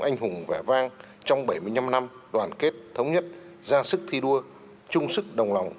anh hùng vẻ vang trong bảy mươi năm năm đoàn kết thống nhất ra sức thi đua chung sức đồng lòng